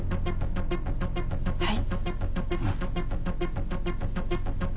はい。